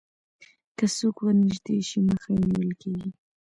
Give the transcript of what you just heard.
که څوک ورنژدې شي مخه یې نیول کېږي